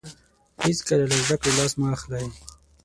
هیڅکله له زده کړې لاس مه اخلئ.